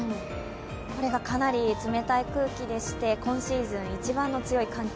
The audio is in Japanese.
これがかなり冷たい空気でして今シーズン一番の強い寒気。